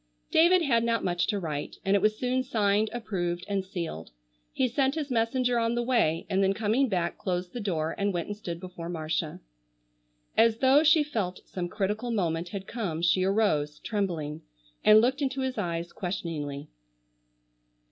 David had not much to write and it was soon signed, approved, and sealed. He sent his messenger on the way and then coming back closed the door and went and stood before Marcia. As though she felt some critical moment had come she arose, trembling, and looked into his eyes questioningly.